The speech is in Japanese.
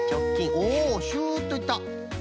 おおシュッといった！